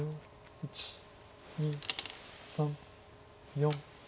１２３４。